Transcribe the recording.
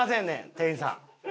店員さん。